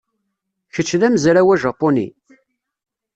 Kečč d amezraw ajapuni?